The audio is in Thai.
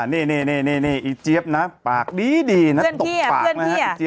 นี่อีเจี๊ยบนะปากดีตกปากนะฮะ